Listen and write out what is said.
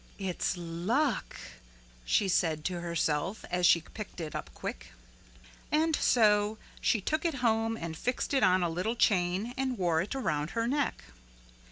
"It's luck," she said to herself as she picked it up quick. And so she took it home and fixed it on a little chain and wore it around her neck.